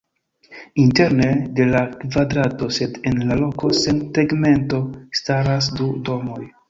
Interne de la kvadrato, sed en la loko sen tegmento, staras du domoj.